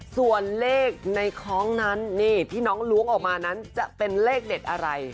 ส่วนเลขในคล้องนั้นนี่ที่น้องล้วงออกมานั้นจะเป็นเลขเด็ดอะไร